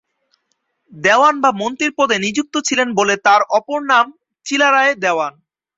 দেওয়ান বা মন্ত্রীর পদে নিযুক্ত ছিলেন বলে তার অপর নাম চিলারায় দেওয়ান।